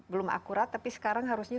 belum akurat tapi sekarang harusnya